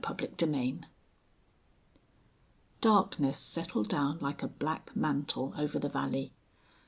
CHAPTER II Darkness settled down like a black mantle over the valley.